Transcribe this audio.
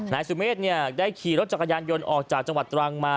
นายสุเมฆได้ขี่รถจักรยานยนต์ออกจากจังหวัดตรังมา